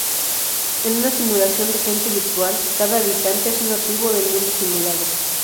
En una simulación de gente virtual, cada habitante es un nativo del mundo simulado.